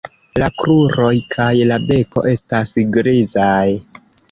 La kruroj kaj la beko estas grizaj.